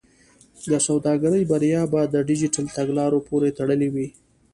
د سوداګرۍ بریا به د ډیجیټل تګلارې پورې تړلې وي.